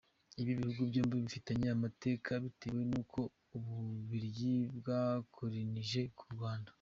Ibi bihugu byombi bifitanye amateka bitewe nuko Ububiligi bwakolinije u Rwanda.